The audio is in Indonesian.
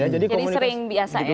jadi sering biasa ya